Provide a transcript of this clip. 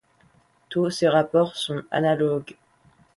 Tous ces rapports sont analogues.